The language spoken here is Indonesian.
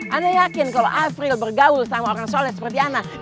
anda yakin kalau afril bergaul sama orang soalnya seperti anak